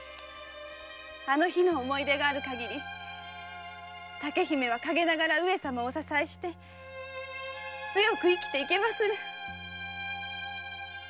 あの日の思い出があるかぎり竹姫は陰ながら上様をお支えし強く生きていけまする。